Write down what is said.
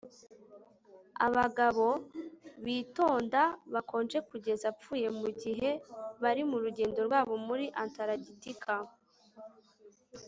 abagabo batitonda bakonje kugeza apfuye mugihe bari mu rugendo rwabo muri antaragitika